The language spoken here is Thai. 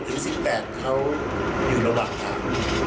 ๑๗ถึง๑๘เขาอยู่ระหว่างตาม